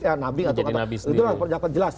ya nabi itu lah perjalanan jelas